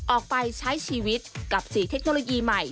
ออกไปใช้ชีวิตกับ๔เทคโนโลยีใหม่